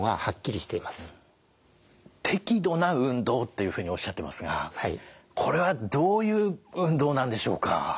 適度な運動っていうふうにおっしゃってますがこれはどういう運動なんでしょうか？